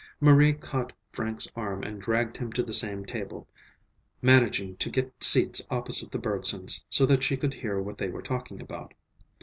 Marie caught Frank's arm and dragged him to the same table, managing to get seats opposite the Bergsons, so that she could hear what they were talking about.